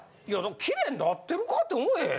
キレイになってるかって思えへん？